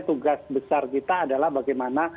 tugas besar kita adalah bagaimana